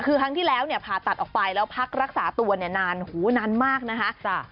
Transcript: คือครั้งที่แล้วผ่าตัดออกไปแล้วพักรักษาตัวนานมากนะฮะ